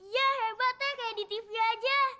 ya hebatnya kayak di tv aja